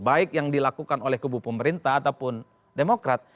baik yang dilakukan oleh kebupemerintah ataupun demokrat